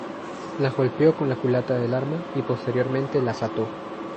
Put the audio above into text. Las golpeó con la culata del arma y posteriormente las ató.